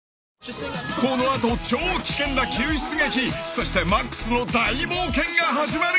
［この後超危険な救出劇そしてマックスの大冒険が始まる！］